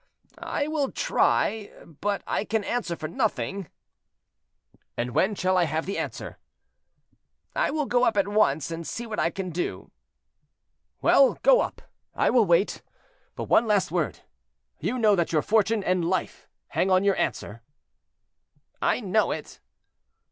"I will try, but I can answer for nothing." "And when shall I have the answer?" "I will go up at once and see what I can do." "Well, go up; I will wait. But one last word; you know that your fortune and life hang on your answer." "I know it."